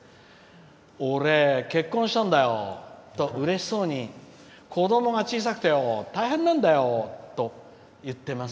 「俺、結婚したんだよ」とうれしそうに子どもが小さくてよ大変なんだよ！と言っています。